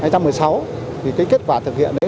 hai nghìn một mươi sáu thì kết quả thực hiện đấy